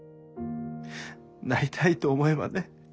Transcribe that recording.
なりたいと思えばね